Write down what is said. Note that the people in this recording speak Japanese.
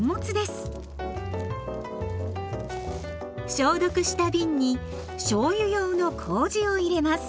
消毒した瓶にしょうゆ用のこうじを入れます。